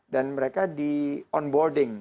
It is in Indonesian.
dan mereka di onboarding